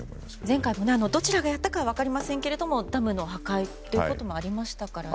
前回もどちらがやったか分かりませんけれどもダムの破壊ということもありましたからね。